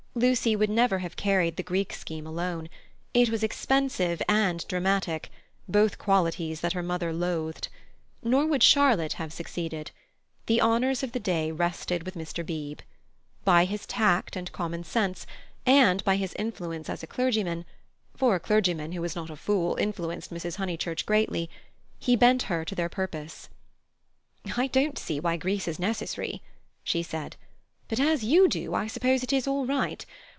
Lucy would never have carried the Greek scheme alone. It was expensive and dramatic—both qualities that her mother loathed. Nor would Charlotte have succeeded. The honours of the day rested with Mr. Beebe. By his tact and common sense, and by his influence as a clergyman—for a clergyman who was not a fool influenced Mrs. Honeychurch greatly—he bent her to their purpose, "I don't see why Greece is necessary," she said; "but as you do, I suppose it is all right.